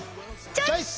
チョイス！